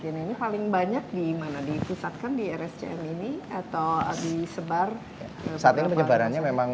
yang paling banyak di mana di pusatkan di rsjm ini atau disebar saatnya penyebarannya memang